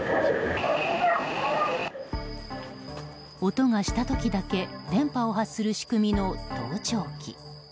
音がした時だけ電波を発する仕組みの盗聴器。